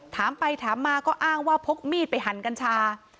ถามไปถามมาก็อ้างว่าพกมีดไปหั่นกัญชา